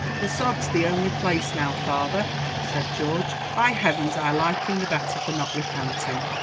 "The sod's the only place now, father," said George; "by heavens I like him the better for not recanting."